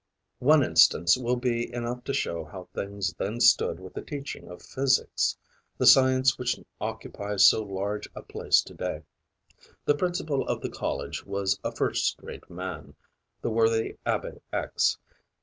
One instance will be enough to show how things then stood with the teaching of physics, the science which occupies so large a place to day. The principal of the college was a first rate man, the worthy Abbe X.